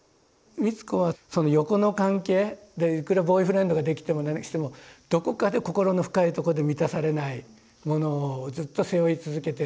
美津子は横の関係でいくらボーイフレンドができても何してもどこかで心の深いとこで満たされないものをずっと背負い続けてる。